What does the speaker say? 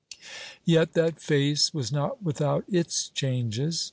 Yet that face was not without its changes.